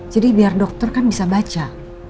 jadi biar dokter kan bisa baca